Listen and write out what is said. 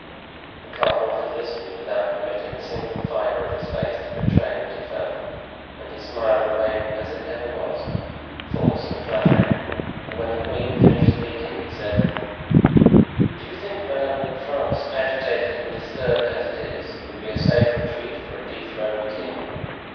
The cardinal had listened without permitting a single fibre of his face to betray what he felt, and his smile remained as it ever was—false and flattering; and when the queen finished speaking, he said: "Do you think, madame, that France, agitated and disturbed as it is, would be a safe retreat for a dethroned king?